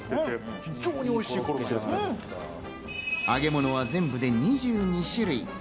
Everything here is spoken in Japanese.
揚げ物は全部で２２種類。